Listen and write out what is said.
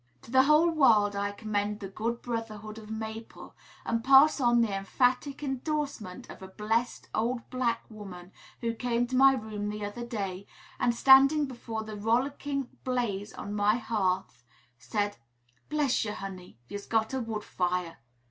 To the whole world I commend the good brotherhood of Maple, and pass on the emphatic indorsement of a blessed old black woman who came to my room the other day, and, standing before the rollicking blaze on my hearth, said, "Bless yer, honey, yer's got a wood fire.